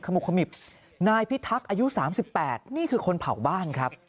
ขมุกนายพี่ทักอายุ๓๘นี่คือคนเผาบ้านครับ